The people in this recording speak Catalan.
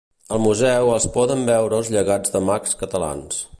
Al museu es poden veure els llegats de mags catalans.